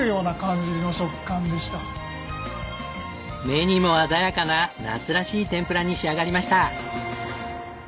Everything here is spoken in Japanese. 目にも鮮やかな夏らしい天ぷらに仕上がりました。